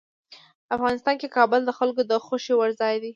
افغانستان کې کابل د خلکو د خوښې وړ ځای دی.